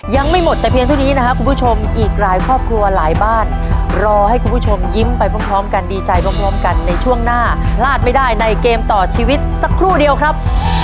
ยังไม่หมดแต่เพียงเท่านี้นะครับคุณผู้ชมอีกหลายครอบครัวหลายบ้านรอให้คุณผู้ชมยิ้มไปพร้อมกันดีใจพร้อมกันในช่วงหน้าพลาดไม่ได้ในเกมต่อชีวิตสักครู่เดียวครับ